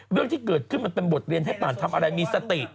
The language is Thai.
เรื่องที่เกิดขึ้นมันเป็นบทเรียนให้ป่านทำอะไรมีสติ